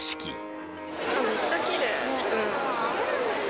めっちゃきれい。